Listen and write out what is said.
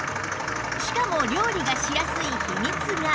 しかも料理がしやすい秘密が